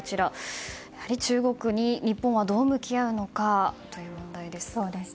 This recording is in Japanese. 中国に日本はどう向き合うのかという問題です。